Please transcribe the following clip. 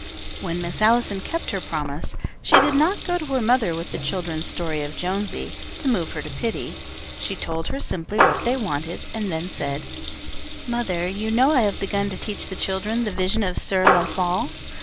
When Miss Allison kept her promise she did not go to her mother with the children's story of Jonesy, to move her to pity. She told her simply what they wanted, and then said, "Mother, you know I have begun to teach the children the 'Vision of Sir Launfal.'